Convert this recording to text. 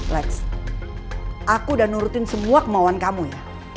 lex aku udah nurutin semua kemauan kamu ya